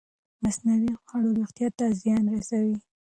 مصنوعي خواړه روغتیا ته زیان رسوي.